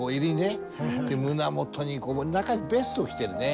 胸元に中にベストを着てるね。